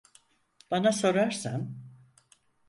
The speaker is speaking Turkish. Bana sorarsan…